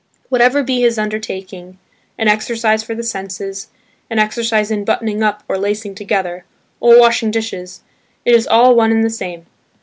Whatever be his undertaking–an exercise for the senses, an exercise in buttoning up or lacing together, or washing dishes–it is all one and the same.